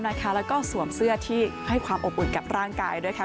และสวมเสื้อที่ให้ความอบอุ่นกันด้วย